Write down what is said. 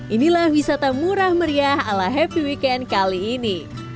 inilah wisata murah meriah ala happy weekend kali ini